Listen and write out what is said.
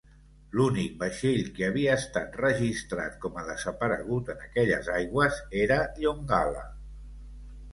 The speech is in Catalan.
L'únic vaixell que havia estat registrat com a desaparegut en aquelles aigües era "Yongala".